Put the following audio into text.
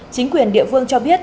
chính quyền địa phương cho biết